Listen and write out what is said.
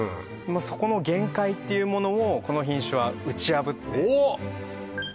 そこの限界っていうものをこの品種は打ち破っておおっ！